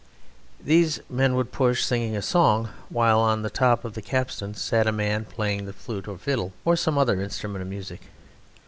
These, men would push singing a song, while on the top of the capstan sat a man playing the fiddle, or the flute, or some other instrument of music.